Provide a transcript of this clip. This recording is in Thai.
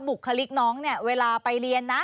บุคลิกน้องเนี่ยเวลาไปเรียนนะ